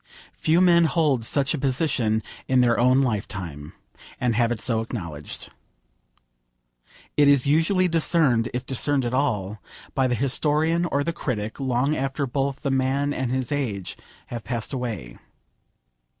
Few men hold such a position in their own lifetime, and have it so acknowledged. It is usually discerned, if discerned at all, by the historian, or the critic, long after both the man and his age have passed away.